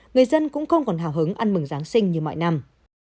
người dân cũng không còn hào hứng ăn mừng giáng sinh như mọi năm